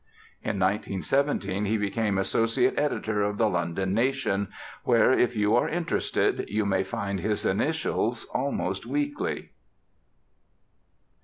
In 1917 he became associate editor of the London Nation, where, if you are interested, you may find his initials almost weekly.